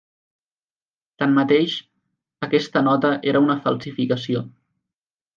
Tanmateix, aquesta nota era una falsificació.